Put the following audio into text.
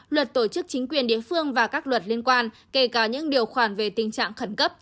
luật tổ chức chính quyền địa phương và các luật liên quan kể cả những điều khoản về tình trạng khẩn cấp